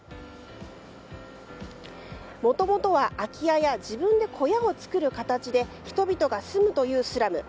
もともとは空き家や自分で小屋を作る形で人々が住むというスラム。